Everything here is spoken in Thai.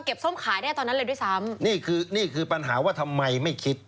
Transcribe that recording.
ส้มขายได้ตอนนั้นเลยด้วยซ้ำนี่คือนี่คือปัญหาว่าทำไมไม่คิด